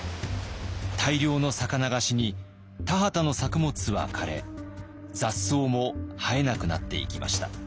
大量の魚が死に田畑の作物は枯れ雑草も生えなくなっていきました。